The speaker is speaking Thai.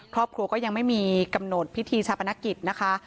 ก็ยังไม่มีกำหนดพิธีชาปนกิจนะคะ